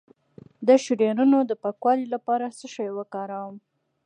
د شریانونو د پاکوالي لپاره څه شی وکاروم؟